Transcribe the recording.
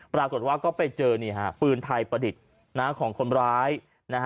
ปรากฏว่าก็ไปเจอนี่ฮะปืนไทยประดิษฐ์ของคนร้ายนะฮะ